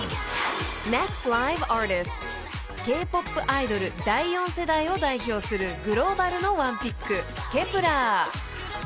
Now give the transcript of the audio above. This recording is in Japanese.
［Ｋ−ＰＯＰアイドル第４世代を代表するグローバルのワンピック］